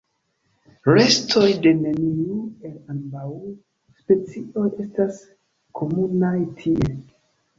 Restoj de neniu el ambaŭ specioj estas komunaj tie.